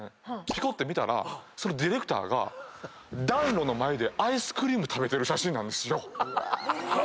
ピコッて見たらそのディレクターが暖炉の前でアイスクリーム食べてる写真なんですよ。